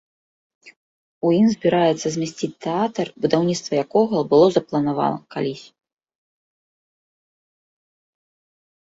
У ім збіраюцца змясціць тэатр, будаўніцтва якога было запланавана колісь.